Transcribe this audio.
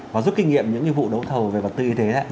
và giúp kinh nghiệm những vụ đấu thầu về vật tư y tế